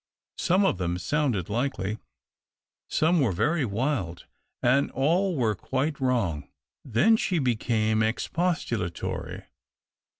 Some of them sounded likely, some were very wild, and all were quite wrong. Then she became expostulatory.